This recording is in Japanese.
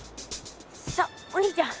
さあお兄ちゃん